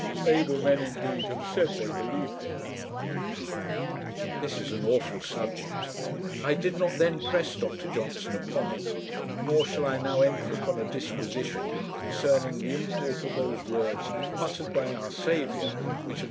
Able men, indeed, have said they believed it.' This is an awful subject. I did not then press Dr Johnson upon it; nor shall I now enter upon a disquisition concerning the import of those words uttered by our Saviour,[Footnote: "Then Jesus said unto them, verily, verily.